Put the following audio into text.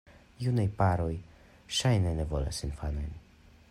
Junaj paroj, ŝajne, ne volas infanojn.